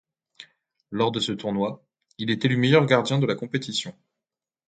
Lors de ce tournoi, il est élu meilleur gardien de la compétition.